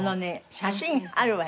写真あるわよ。